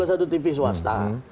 satu tv swasta